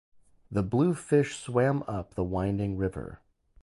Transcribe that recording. The blue fish swam up the winding river.